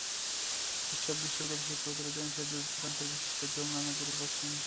এসব বিদ্যালয়ের শিক্ষকদের অধিকাংশই দূর-দূরান্তের, বিশেষ করে যমুনা নদীর পশ্চিম পারের।